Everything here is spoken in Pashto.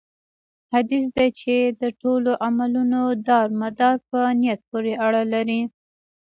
حديث دی چې: د ټولو عملونو دار مدار په نيت پوري اړه لري